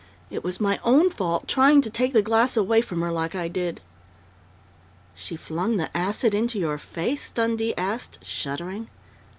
It was my own fault, trying to take the glass away from her, like I did " "She flung the acid into your face?" Dundee asked, shuddering.